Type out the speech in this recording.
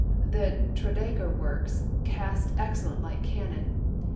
The Tredegar works cast excellent light cannon.